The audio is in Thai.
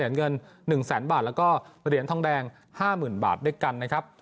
เงิน๑แสนบาทแล้วก็เหรียญทองแดง๕๐๐๐บาทด้วยกันนะครับ